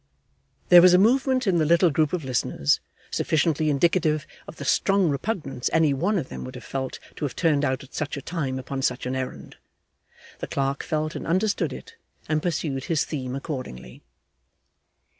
There was a movement in the little group of listeners, sufficiently indicative of the strong repugnance any one of them would have felt to have turned out at such a time upon such an errand. The clerk felt and understood it, and pursued his theme accordingly.